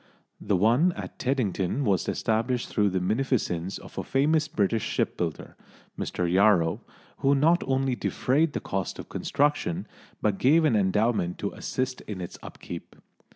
The one at Teddington was established through the munificence of a famous British shipbuilder, Mr Yarrow, who not only defrayed the cost of construction, but gave an endowment to assist in its upkeep.